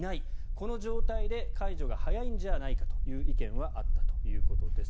この状態で解除は早いんじゃないかという意見はあったということです。